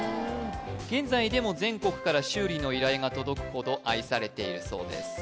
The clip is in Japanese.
現在でも全国から修理の依頼が届くほど愛されているそうです